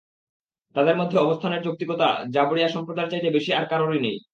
তাদের মধ্যে অবস্থানের যৌক্তিকতা জাবরিয়া সম্প্রদায়ের চাইতে বেশি আর কারোরই নেই।